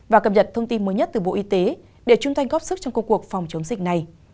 và cập nhật thông tin mới nhất từ bộ y tế để chung tay góp sức trong công cuộc phòng chống dịch này